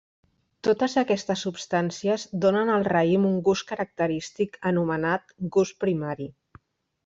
Totes aquestes substàncies donen al raïm un gust característic anomenat gust primari.